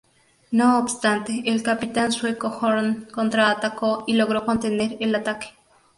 No obstante, el capitán sueco Horn contraatacó y logró contener el ataque.